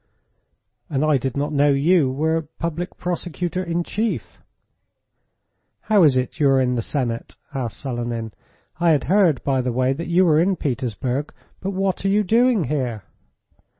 "And I did not know you were Public Prosecutor in Chief." "How is it you are in the Senate?" asked Selenin. "I had heard, by the way, that you were in Petersburg. But what are you doing here?"